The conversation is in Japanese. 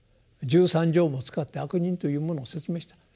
十三条も使って「悪人」というものを説明した。